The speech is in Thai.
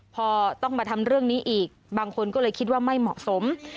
พอต้องมาทำเรื่องนี้อีกบางคนก็เลยคิดว่าไม่เหมาะสม